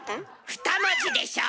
２文字でしょ？